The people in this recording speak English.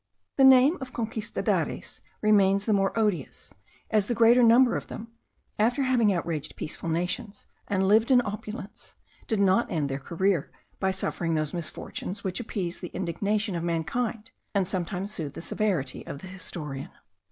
The name of Conquistadares remains the more odious, as the greater number of them, after having outraged peaceful nations, and lived in opulence, did not end their career by suffering those misfortunes which appease the indignation of mankind, and sometimes soothe the severity of the historian.